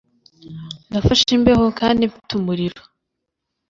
Nafashe imbeho kandi mfite umuriro